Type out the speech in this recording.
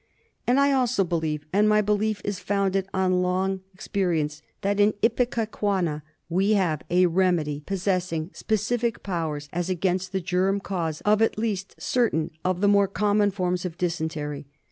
And I also believe, and my belief is founded on long experience, that in Ipecacuanha we have a remedy possessing specific powers as against the germ cause of at least certain of the more common forms of dysentery.